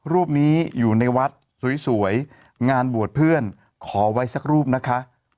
รูปนี้อยู่ในวัดสวยงานบวชเพื่อนขอไว้สักรูปนะคะ